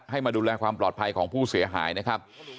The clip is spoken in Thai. มาดูแลความปลอดภัยของผู้เสียหายนะครับ